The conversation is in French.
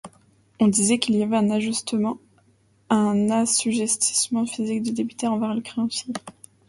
On disait qu'il y avait un assujettissement physique du débiteur envers le créancier.